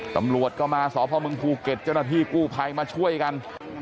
ตำรวจก็มาสพมภูเก็ตเจ้าหน้าที่กู้ภัยมาช่วยกัน